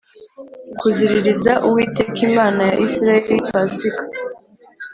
kuziriririza Uwiteka Imana ya Isirayeli Pasika